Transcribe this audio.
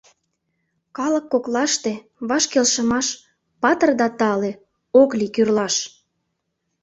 Калык коклаште Ваш келшымаш Патыр да тале: Ок лий кӱрлаш!